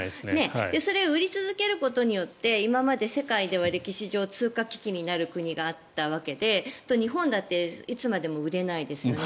それを売り続けることによって今まで世界では歴史上通貨危機になる国があったわけで日本だっていつまでも売れないですよね。